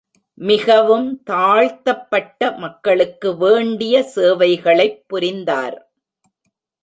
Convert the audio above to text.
மிகவும் தாழ்த்தப்பட்ட மக்களுக்கு வேண்டிய சேவைகளைப் புரிந்தார்.